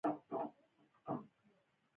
نورو ملګرو خبر کړم.